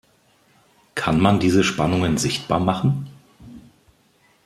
Kann man diese Spannungen sichtbar machen?